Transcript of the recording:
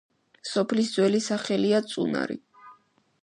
სოფლის ძველი სახელია წუნარი.